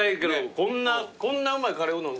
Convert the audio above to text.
こんなうまいカレーうどん